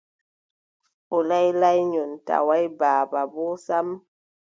O laylanyoy, tawaay baaba boo sam ;